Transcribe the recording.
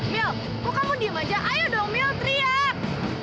mil kok kamu diem aja ayo dong mil teriak